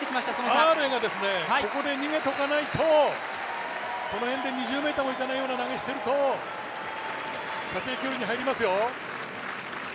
アーレイがここで逃げておかないと、この辺で２０ｍにいかないような投げをしていると射程距離に入りますよ。